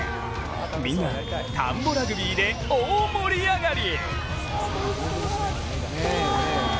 みんなたんぼラグビーで大盛り上がり！